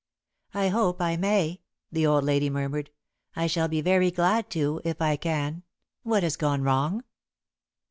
"I hope I may," the old lady murmured. "I shall be very glad to, if I can. What has gone wrong?"